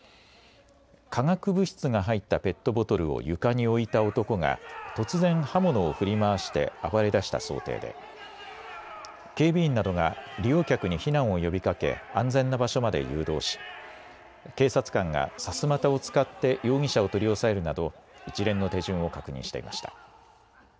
化学物質が入ったペットボトルを床に置いた男が突然、刃物を振り回して暴れだした想定で警備員などが利用客に避難を呼びかけ安全な場所まで誘導し警察官がさすまたを使って容疑者を取り押さえるなど一連の手順を確認していました。